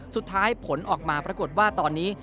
สุดท้ายผลออกมาปรากฏว่าตอนนี้